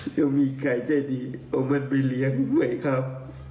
จะมีใครใจดีเอามันไปเลี้ยงไว้ครับ